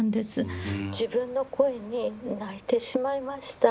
自分の声に泣いてしまいました。